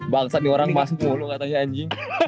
baksa diorang masuk dulu katanya anjing